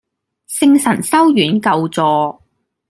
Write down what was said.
聖神修院舊座